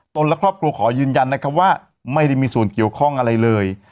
และครอบครัวขอยืนยันนะครับว่าไม่ได้มีส่วนเกี่ยวข้องอะไรเลย